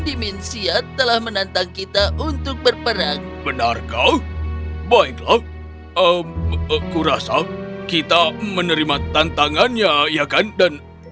dimensia telah menantang kita untuk berperang benarkah baiklah oh kurasa kita menerima tantangannya ya kan dan